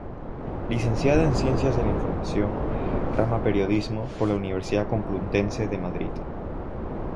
Licenciada en Ciencias de la Información, rama Periodismo, por la Universidad Complutense de Madrid.